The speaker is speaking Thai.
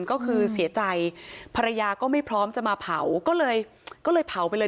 ก็คือเสียใจภรรยาก็ไม่พร้อมจะมาเผาก็เลยก็เลยเผาไปเลย